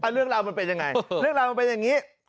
เรื่องราวมันเป็นยังไงเรื่องราวมันเป็นอย่างนี้